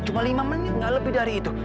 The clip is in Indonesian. cuma lima menit nggak lebih dari itu